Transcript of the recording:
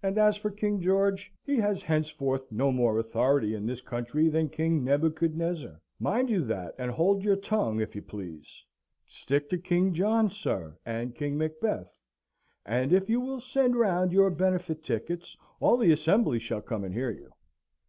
And as for King George, he has henceforth no more authority in this country than King Nebuchadnezzar. Mind you that, and hold your tongue, if you please! Stick to King John, sir, and King Macbeth; and if you will send round your benefit tickets, all the Assembly shall come and hear you.